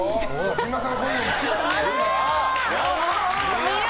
児嶋さん。